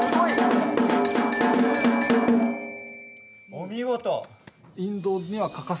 お見事。